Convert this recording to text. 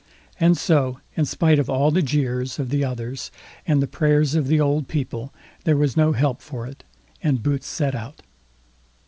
And so, in spite of all the jeers of the others and the prayers of the old people, there was no help for it, and Boots set out.